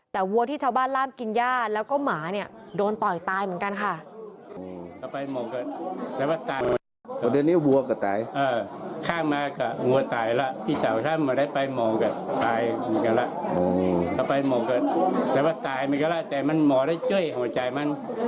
แต่วัวที่ชาวบ้านล่ามกินย่าแล้วก็หมาเนี่ยโดนต่อยตายเหมือนกันค่ะ